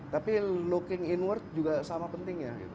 tapi looking inward juga sama penting ya